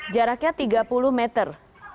jaraknya tiga puluh meter